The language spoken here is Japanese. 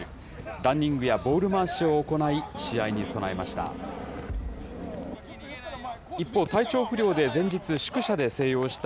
ランニングやボール回しを行い、試合に備えました。